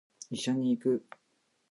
医者に行く